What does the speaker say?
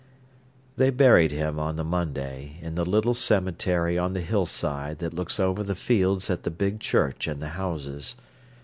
They buried him on the Monday in the little cemetery on the hillside that looks over the fields at the big church and the houses.